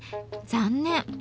残念。